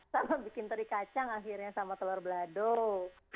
sama bikin teri kacang akhirnya sama telur belado